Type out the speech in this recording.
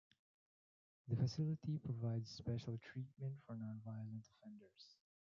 The facility provides special treatment for non-violent offenders.